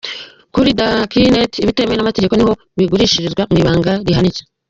Kuri Dark net ibitemewe n'amategeko niho bigurishirizwa mu ibanga rihanitse.